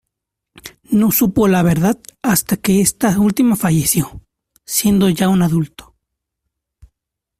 No supo la verdad hasta que esta última falleció, siendo ya un adulto.